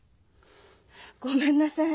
ごめんなさい。